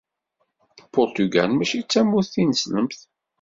Puṛtugal mačči d tamurt tineslemt.